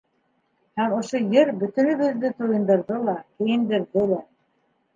Һәм ошо ер бөтөнөбөҙҙө туйындырҙы ла, кейендерҙе лә.